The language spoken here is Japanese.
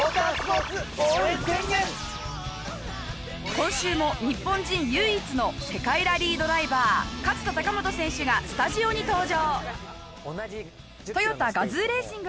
今週も日本人唯一の世界ラリードライバー勝田貴元選手がスタジオに登場。